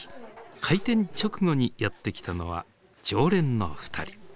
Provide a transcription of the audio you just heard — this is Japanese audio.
開店直後にやって来たのは常連のふたり。